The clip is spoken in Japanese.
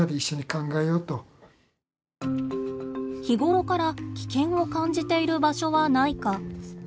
日頃から危険を感じている場所はないか。